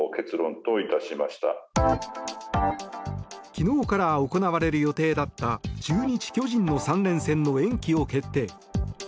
昨日から行われる予定だった中日、巨人の３連戦の延期を決定。